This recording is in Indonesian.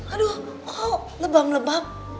aduh kok lebam lebam